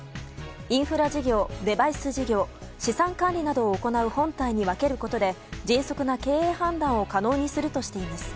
インフラ事業、デバイス事業資産管理を行う本体に分けることで迅速な経営判断を可能にするとしています。